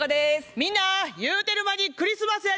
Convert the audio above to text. みんなゆうてる間にクリスマスやで。